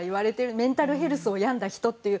メンタルヘルス病んだ人っていう。